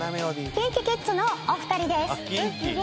ＫｉｎＫｉＫｉｄｓのお二人です。